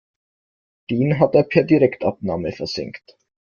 Den hat er per Direktabnahme versenkt.